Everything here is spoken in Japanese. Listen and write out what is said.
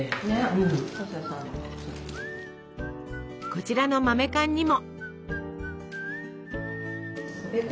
こちらの豆かんにも。